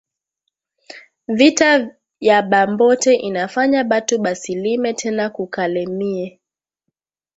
Vita ya ba mbote inafanya batu basi lime tena ku kalemie